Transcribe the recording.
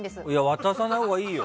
渡さないほうがいいよ！